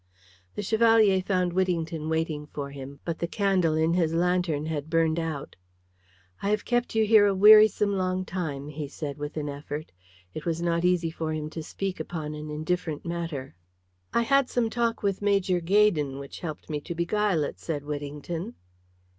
The Chevalier found Whittington waiting for him, but the candle in his lantern had burned out. "I have kept you here a wearisome long time," he said with an effort. It was not easy for him to speak upon an indifferent matter. "I had some talk with Major Gaydon which helped me to beguile it," said Whittington.